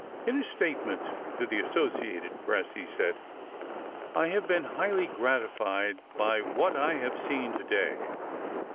In a statement to the Associated Press he said: "I have been highly gratified by what I have seen to day.